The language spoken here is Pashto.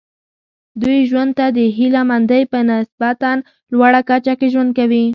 دوی ژوند ته د هیله مندۍ په نسبتا لوړه کچه کې ژوند کوي.